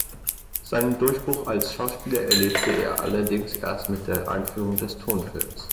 Seinen Durchbruch als Schauspieler erlebte er allerdings erst mit der Einführung des Tonfilms.